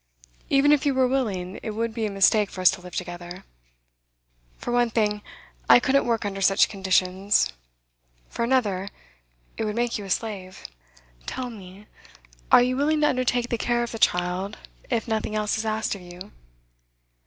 Even if you were willing, it would be a mistake for us to live together. For one thing, I couldn't work under such conditions; for another, it would make you a slave. Tell me: are you willing to undertake the care of the child, if nothing else is asked of you?